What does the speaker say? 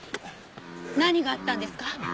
何があったんですか？